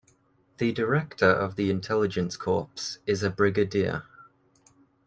The Director of the Intelligence Corps is a brigadier.